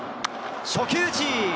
初球打ち。